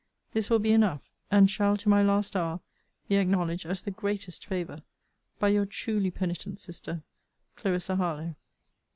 This will be enough and shall, to my last hour, be acknowledged as the greatest favour, by Your truly penitent sister, CLARISSA HARLOWE.